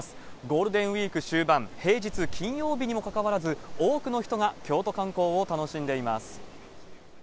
ゴールデンウィーク終盤、平日金曜日にもかかわらず、多くの人が京都観光を楽しんでいます。